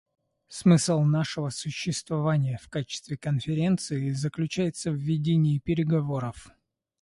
Смысл нашего существования в качестве Конференции заключается в ведении переговоров.